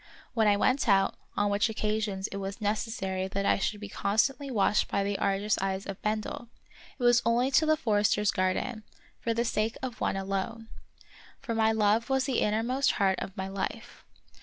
When I went out, on which occasions it was necessary that I should be constantly watched by the Argus eyes of Bendel, it was only to the forester's garden, for the sake of one alone; for my love was the innermost heart of my life.